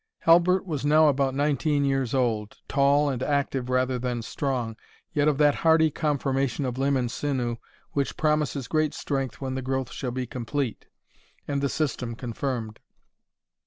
Halbert was now about nineteen years old, tall and active rather than strong, yet of that hardy conformation of limb and sinew, which promises great strength when the growth shall be complete, and the system confirmed.